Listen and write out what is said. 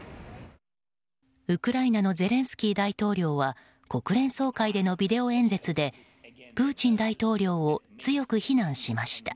ウクライナのゼレンスキー大統領は国連総会でのビデオ演説でプーチン大統領を強く非難しました。